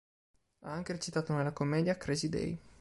Ha anche recitato nella commedia "Crazy Day".